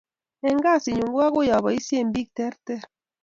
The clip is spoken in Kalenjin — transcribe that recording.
Eng kasit nyun, ko akoi aboishechi bik terter